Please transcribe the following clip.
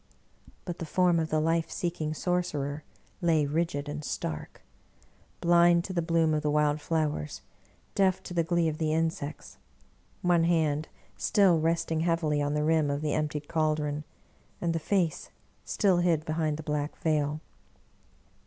But the form of the life seeking sorcerer lay rigid and stark ; blind to the bloom of the wild flowers, deaf to the glee of the insects — one hand still resting heavily on the rim of the emptied caldron, and the face still hid behind the Black Veil.